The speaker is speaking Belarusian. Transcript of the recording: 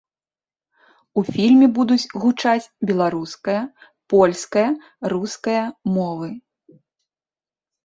У фільме будуць гучаць беларуская, польская, руская мовы.